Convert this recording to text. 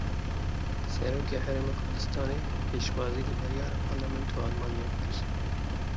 Serokê Herêma Kurdistanê pêşwazî li biryara Parlamentoya Almanyayê kir.